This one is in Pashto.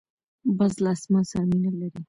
باز له اسمان سره مینه لري